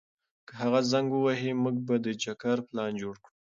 که هغه زنګ ووهي، موږ به د چکر پلان جوړ کړو.